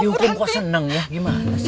di hukum kok seneng ya gimana sih